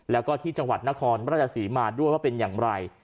แล้วก็ที่จังหวัดนครราชศรีมาด้วยว่าเป็นอย่างไร